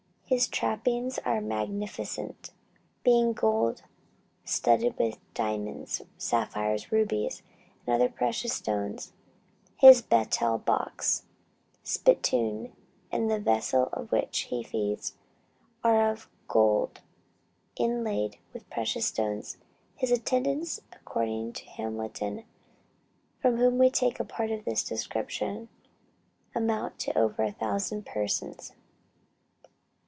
His trappings are magnificent, being gold, studded with diamonds, sapphires, rubies, and other precious stones; his betel box, spittoon, and the vessel out of which he feeds, are of gold inlaid with precious stones. His attendants, according to Hamilton, from whom we take a part of this description, amount to over a thousand persons.